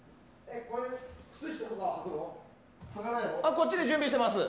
こっちで準備してます。